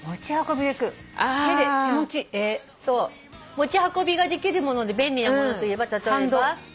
持ち運びができるもので便利なものといえば例えば。